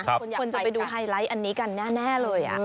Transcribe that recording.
คนจะไปดูไฮไลท์อันนี้กันแน่เลย